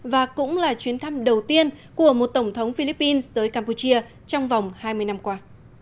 và cũng là chuyến thăm đầu tiên của một tổng thống philippines tới campuchia trong vòng hai mươi năm qua